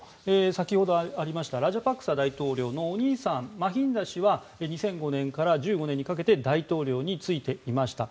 先ほどありましたラジャパクサ大統領のお兄さん、マヒンダ氏は２００５年から１５年にかけて大統領に就いていました。